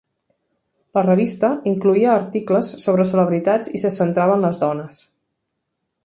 La revista incloïa articles sobre celebritats i se centrava en les dones.